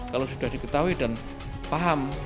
kalau sudah diketahui dan paham